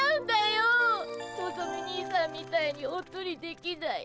のぞみ兄さんみたいにおっとりできない。